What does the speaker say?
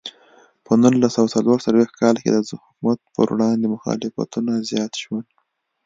په نولس سوه څلور څلوېښت کال کې د حکومت پر وړاندې مخالفتونه زیات شول.